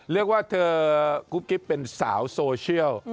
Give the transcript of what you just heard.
เรียกว่าเธอกุ๊บกิ๊บเป็นสาวโซเชียล